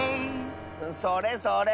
それそれ。